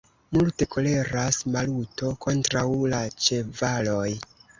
Multe koleras Maluto kontraŭ la ĉevaloj.